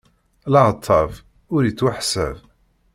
Leɛtab ur ittwaḥsab.